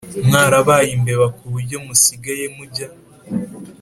mwarabaye imbeba kuburyo musigaye mujya